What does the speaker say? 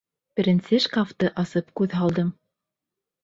Беренсе шкафты асып күҙ һалдым.